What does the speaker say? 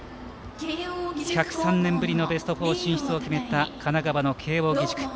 １０３年ぶりのベスト４進出を決めた神奈川の慶応義塾。